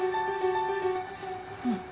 うん。